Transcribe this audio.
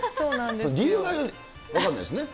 理由が分かんないですね。